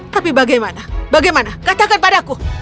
tapi bagaimana bagaimana katakan padaku